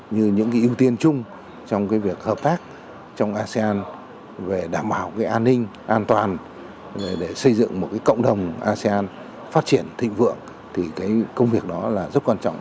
như những ưu tiên chung trong việc hợp tác trong asean về đảm bảo an ninh an toàn xây dựng một cộng đồng asean phát triển thịnh vượng công việc đó rất quan trọng